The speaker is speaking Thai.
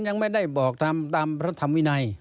ยังไม่ได้บอกตามพระธรรมวินัย